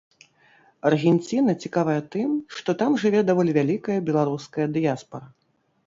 Аргенціна цікавая тым, што там жыве даволі вялікая беларуская дыяспара.